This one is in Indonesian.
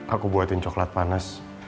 aku buatkan coklat panas